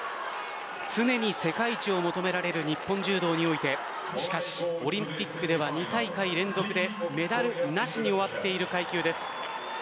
常に世界一を求められる日本柔道においてしかしオリンピックでは２大会連続でメダルなしに終わっている階級です。